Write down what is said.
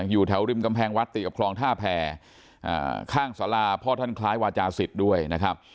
อยู่แถวริมกำแพงวัดติดกับคลองท่าแพรข้างสาราพ่อท่านคล้ายวาจาศิษย์ด้วยนะครับ